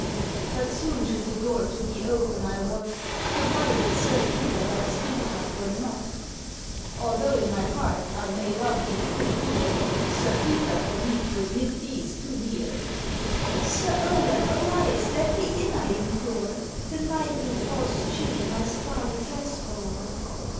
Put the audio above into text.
ŌĆ£But soon should the door to thee open I wot, Provided Sir Peter thy sweetheart were not. ŌĆ£Although in my heart I may love thee full dear, Sir Peter for me to admit theeŌĆÖs too near. ŌĆØ ŌĆ£Sir Olaf, arise, let me in I implore, The night dew falls chilly my scarlet dress oŌĆÖer.